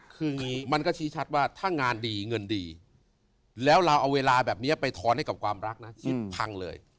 คืออย่างนี้มันก็ชี้ชัดว่าถ้างานดีเงินดีแล้วเราเอาเวลาแบบนี้ไปทอนให้กับความรักนะที่พังเลย